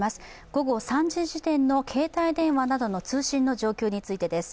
午後３時時点の携帯電話などの通信の情報についてです。